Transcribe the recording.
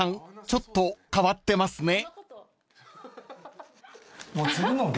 ちょっと変わってますね］